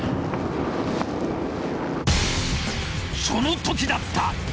その時だった！